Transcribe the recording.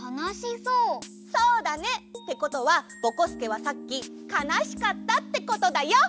そうだね。ってことはぼこすけはさっきかなしかったってことだよ！